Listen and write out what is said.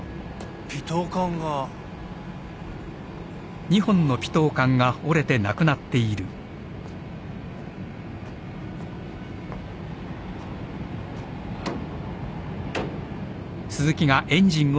ピトー管が。ああ。